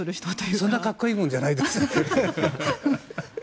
そんな格好いいものじゃないです。